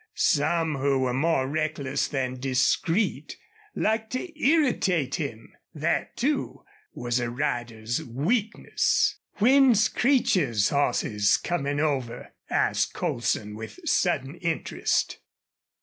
Some who were more reckless than discreet liked to irritate him. That, too, was a rider's weakness. "When's Creech's hosses comin' over?" asked Colson, with sudden interest.